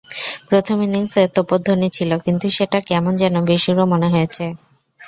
প্রথম ইনিংসে তোপধ্বনি ছিল, কিন্তু সেটা কেমন যেন বেসুরো মনে হয়েছে।